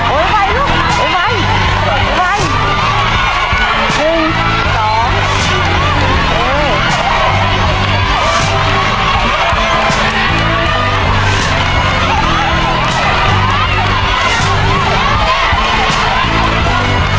โอ้ยไว้ลูกโอ้ยไว้